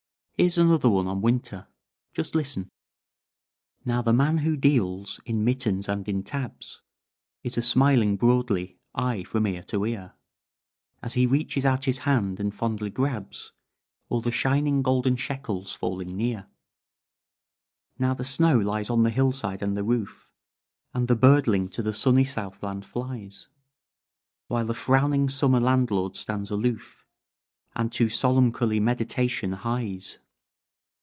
Here's another one on winter. Just listen: "Now the man who deals in mittens and in tabs Is a smiling broadly aye, from ear to ear As he reaches out his hand and fondly grabs All the shining, golden shekels falling near. "Now the snow lies on the hill side and the roof, And the birdling to the sunny southland flies; While the frowning summer landlord stands aloof, And to solemncholy meditation hies.